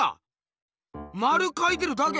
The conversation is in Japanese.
まるかいてるだけ？